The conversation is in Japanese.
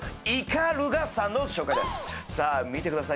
さあ見てください